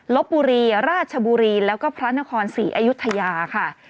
ลบบุรีราชบุรีแล้วก็พระนครศรีอยุธยาค่ะ